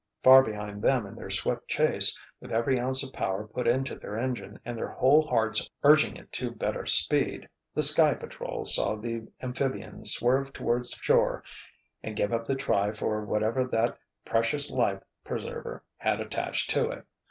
Far behind them in their swift chase, with every ounce of power put into their engine and their whole hearts urging it to better speed, the Sky Patrol saw the amphibian swerve toward shore and give up the try for whatever that precious life preserver had attached to it.